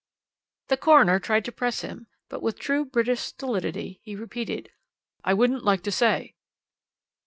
"The coroner tried to press him, but with true British stolidity he repeated: 'I wouldn't like to say.'